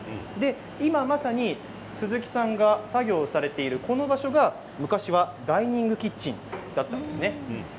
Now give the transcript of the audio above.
今まさに鈴木さんが作業されているこの場所が昔はダイニングキッチンだったんです。